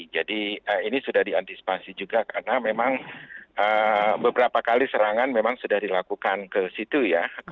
jadi ini sudah diantisipasi juga karena memang beberapa kali serangan memang sudah dilakukan ke situ ya